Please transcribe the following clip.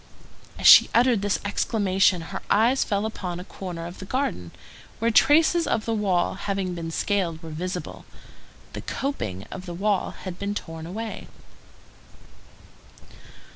As she uttered this exclamation, her eyes fell upon a corner of the garden, where traces of the wall having been scaled were visible. The coping of the wall had been torn away.